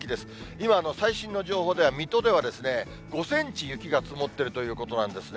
今、最新の情報では、水戸では５センチ雪が積もってるということなんですね。